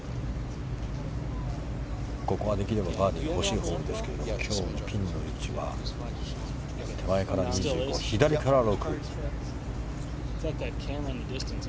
ここはできればバーディーが欲しいホールですがピンの位置は手前から２５、左から６。